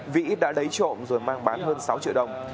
vĩ đã lấy trộm rồi mang bán hơn sáu triệu đồng